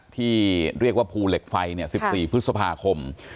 ที่เรียกว่าภูเหล็กไฟ๑๔พฤษภาคม